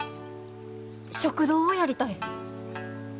食堂をやりたい。